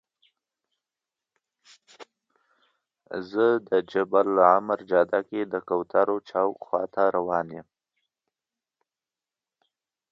زه د جبل العمر جاده کې د کوترو چوک خواته روان یم.